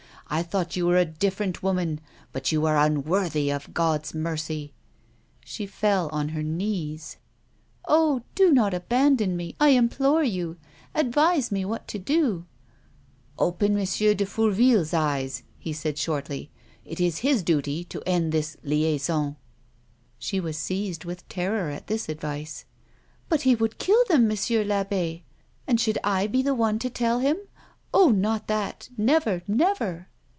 I thought you were a different woman, but you are unworthy of God's mercy." A WOMAN'S LIFE. 170 She foil on her knees :" Oh ! Do not abandon me, I implore you. Advise mo what to do." "OpenM.de Fourville's eyes," he said, shortlj'. " It is his duty to end this liaison." She was seized with terror at this advice. " But he would kill them, Monsieur I'abbe ! And should I be the one to tell him '? Oh, not that ! Never, never